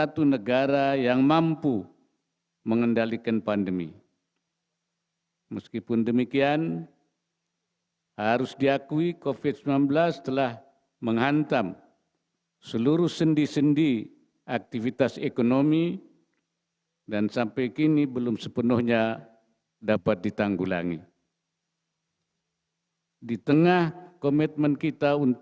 terbaik pertama kementerian perhubungan